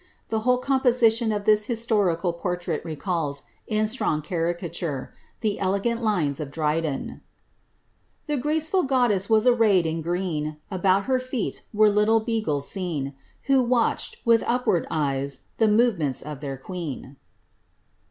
The whole composition of this historical portrait recals, in strong caricature, the elegant lines of Dryden :The graceful goddess was arrayed in green ; About her feet were little beagles seen. Who watched, with upward eyes, the movements of their queen.